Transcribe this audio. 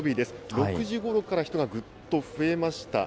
６時ごろから人がぐっと増えました。